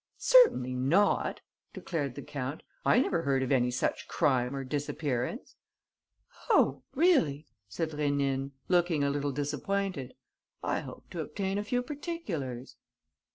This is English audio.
"Certainly not," declared the count. "I never heard of any such crime or disappearance." "Oh, really!" said Rénine, looking a little disappointed. "I hoped to obtain a few particulars."